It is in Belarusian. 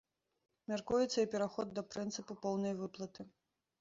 Мяркуецца і пераход да прынцыпу поўнай выплаты.